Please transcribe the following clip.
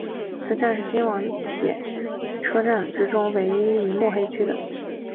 此站是京王电铁车站之中唯一位于目黑区的。